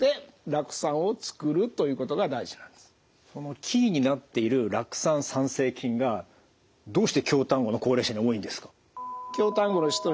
そのキーになっている酪酸産生菌がどうして京丹後の高齢者に多いんですか？